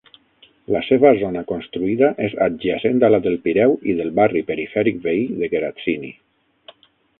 La seva zona construïda és adjacent a la del Pireu i del barri perifèric veí de Keratsini.